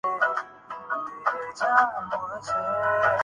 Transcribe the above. اس کی واحد صورت اپوزیشن سے رابطہ ہے۔